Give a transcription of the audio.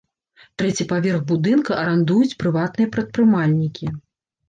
Трэці паверх будынка арандуюць прыватныя прадпрымальнікі.